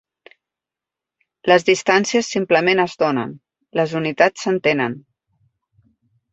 Les distàncies simplement es donen, les unitats s'entenen.